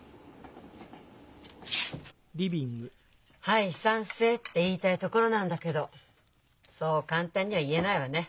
「はい賛成」って言いたいところなんだけどそう簡単には言えないわね。